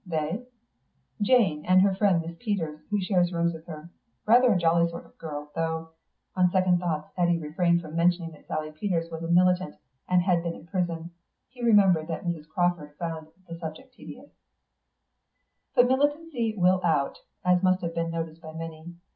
"They?" "Jane and her friend Miss Peters, who shares rooms with her. Rather a jolly sort of girl; though " On second thoughts Eddy refrained from mentioning that Sally Peters was a militant and had been in prison; he remembered that Mrs. Crawford found the subject tedious. But militancy will out, as must have been noticed by many.